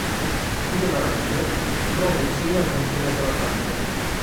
Dudelange si trova vicino al confine con la Francia.